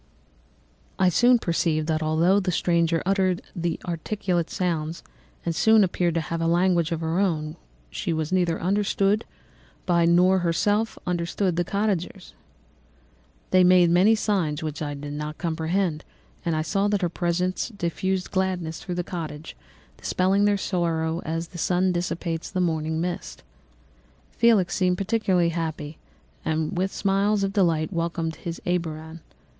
"I soon perceived that although the stranger uttered articulate sounds and appeared to have a language of her own, she was neither understood by nor herself understood the cottagers. They made many signs which I did not comprehend, but I saw that her presence diffused gladness through the cottage, dispelling their sorrow as the sun dissipates the morning mists. Felix seemed peculiarly happy and with smiles of delight welcomed his Arabian.